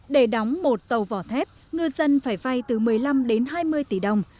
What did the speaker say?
để đóng một tàu vỏ thép ngư dân phải vay từ một mươi năm đến hai mươi tỷ đồng